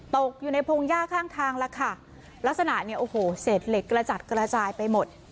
ตกอยู่ในพงหญ้าข้างทางแล้วค่ะลักษณะเนี่ยโอ้โหเศษเหล็กกระจัดกระจายไปหมด